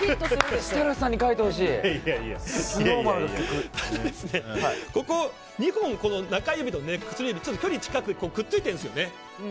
設楽さんに書いてほしい２本、中指と薬指距離が近くてくっついてるんですね。